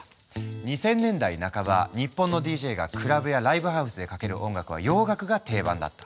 ２０００年代半ば日本のＤＪがクラブやライブハウスでかける音楽は洋楽が定番だった。